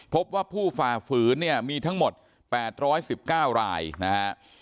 พบว่าผู้ฝ่าฝืนเนี่ยมีทั้งหมด๘๑๙รายนะฮะ